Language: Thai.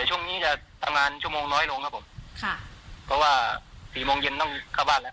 ก็มีกังวลอยู่บ้างที่ตั้งใจก็คือมาเท่าเดียวเท่านั้นนะครับ